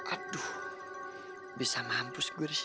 aduh bisa mampus gue disini